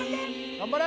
頑張れ！